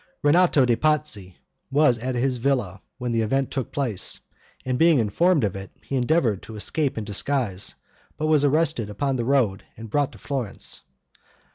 Rinato de' Pazzi was at his villa when the event took place, and on being informed of it, he endeavored to escape in disguise, but was arrested upon the road and brought to Florence.